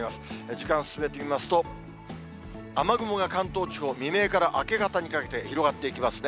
時間進めてみますと、雨雲が関東地方、未明から明け方にかけて広がっていきますね。